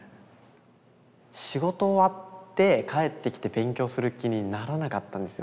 仕事終わって帰ってきて勉強する気にならなかったんですよ。